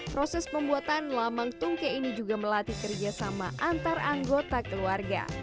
proses pembuatan lamang tungke ini juga melatih kerjasama antar anggota keluarga